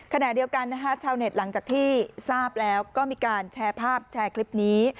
ขณะเดียวกันนะคะชาวเน็ตหลังจากที่ทราบแล้วก็มีการแชร์ภาพแชร์คลิปนี้